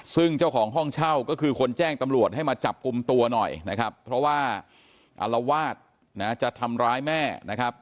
ซึ่งเจ้าของห้องเช่าก็คือคนแจ้งตำรวจให้มาจับกลุ่มตัวหน่อยนะครับเพราะว่าอารวาสนะจะทำร้ายแม่นะครับ